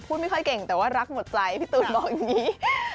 ไม่ค่อยเก่งแต่ว่ารักหมดใจพี่ตูนบอกอย่างนี้